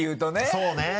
そうね。